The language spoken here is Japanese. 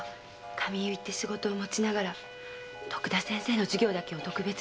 髪結いって仕事を持ちながら徳田先生の授業だけを特別に受けてる人。